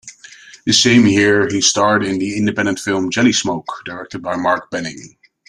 The same year, he starred in the independent film "Jellysmoke", directed by Mark Banning.